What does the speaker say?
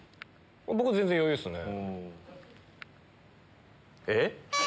僕全然余裕ですね。